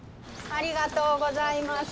ありがとうございます。